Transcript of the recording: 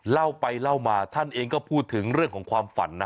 เล่าไปเล่ามาท่านเองก็พูดถึงเรื่องของความฝันนะ